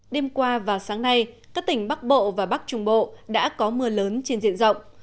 đêm qua và sáng nay các tỉnh bắc bộ và bắc trung bộ đã có mưa lớn trên diện rộng